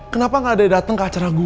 kenapa gak ada yang datang ke acara gue